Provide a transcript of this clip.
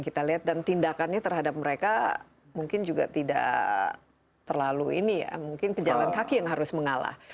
kita lihat dan tindakannya terhadap mereka mungkin juga tidak terlalu ini ya mungkin pejalan kaki yang harus mengalah